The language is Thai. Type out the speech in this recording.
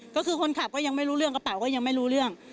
ก็คือคนขับก็ยังไม่รู้เรื่องกระเป๋าก็ยังไม่รู้เรื่อง